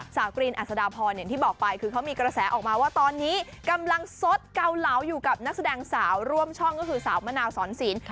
กรีนอัศดาพรอย่างที่บอกไปคือเขามีกระแสออกมาว่าตอนนี้กำลังสดเกาเหลาอยู่กับนักแสดงสาวร่วมช่องก็คือสาวมะนาวสอนศิลป